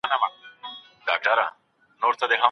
هیڅوک حق نه لري چي د بل چا خبري په پټه ثبت کړي.